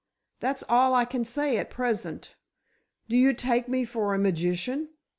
That's all I can say at present. Do you take me for a magician?